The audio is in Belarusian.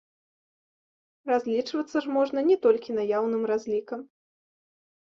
Разлічвацца ж можна не толькі наяўным разлікам!